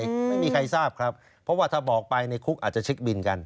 อืมไม่มีใครทราบครับเพราะว่าถ้าบอกไปในคุกอาจจะเช็คบินกัน